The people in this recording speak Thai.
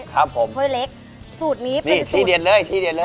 ครับผมที่เดียนเลยที่เดียนเลย